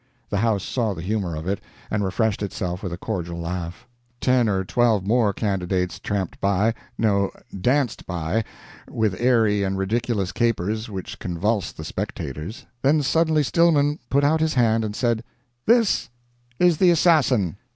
The house saw the humor if it, and refreshed itself with a cordial laugh. Ten or twelve more candidates tramped by no, danced by, with airy and ridiculous capers which convulsed the spectators then suddenly Stillman put out his hand and said, "This is the assassin!"